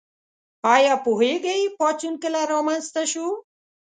ایا پوهیږئ پاڅون کله رامنځته شو؟